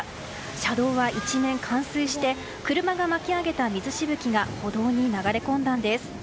車道は一面冠水して車が巻き上げた水しぶきが歩道に流れ込んだんです。